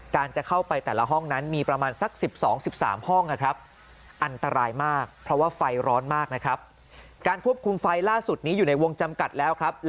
การจะเข้าไปแต่ละห้องนั้นมีประมาณสัก๑๒๑๓ห้องครับ